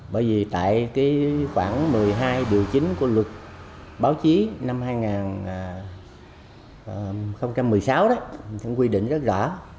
bởi vì tại khoảng một mươi hai điều chính của luật báo chí năm hai nghìn một mươi sáu quy định rất rõ